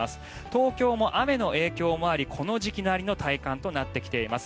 東京も雨の影響もありこの時期なりの体感となってきています。